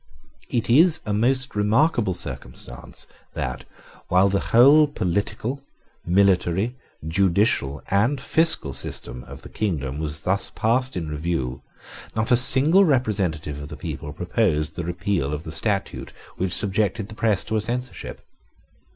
It is a most remarkable circumstance that, while the whole political, military, judicial, and fiscal system of the kingdom was thus passed in review, not a single representative of the people proposed the repeal of the statute which subjected the press to a censorship.